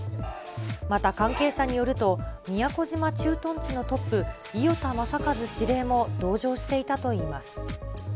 また関係者によると、宮古島駐屯地のトップ、伊與田雅一司令も同乗していたといいます。